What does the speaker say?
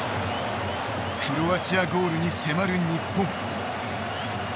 クロアチアゴールに迫る日本。